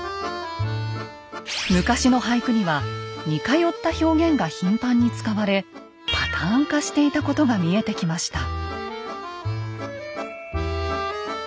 昔の俳句には似通った表現が頻繁に使われパターン化していたことが見えてきました。